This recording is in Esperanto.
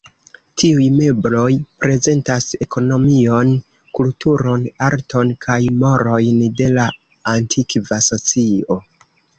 Tiuj mebloj prezentas ekonomion, kulturon, arton kaj morojn de la antikva socio.